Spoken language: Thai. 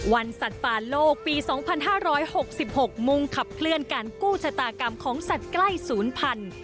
สัตว์ป่าโลกปี๒๕๖๖มุ่งขับเคลื่อนการกู้ชะตากรรมของสัตว์ใกล้ศูนย์พันธุ์